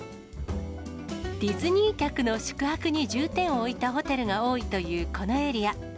ディズニー客の宿泊に重点を置いたホテルが多いというこのエリア。